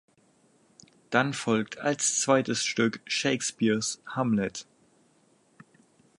Dann folgt als zweites Stück Shakespeares Hamlet.